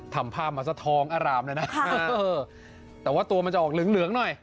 ทำภาพมาซะทองอารามเลยนะแต่ว่าตัวมันจะออกเหลืองเหลืองหน่อย